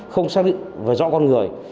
không xác định và rõ con người